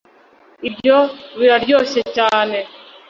ibyo biraryoshye cyane